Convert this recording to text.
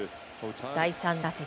第３打席。